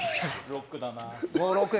ロックだな。